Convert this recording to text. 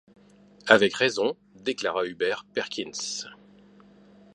Avec raison, déclara Hubert Perkins.